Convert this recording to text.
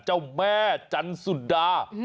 เจ้าแม่จันสุดา